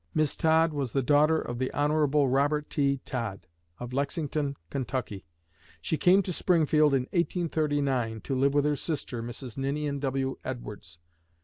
Miss Todd was the daughter of the Hon. Robert T. Todd, of Lexington, Kentucky. She came to Springfield in 1839, to live with her sister, Mrs. Ninian W. Edwards.